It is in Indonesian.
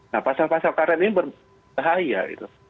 nah pasal pasal karet ini berbahaya gitu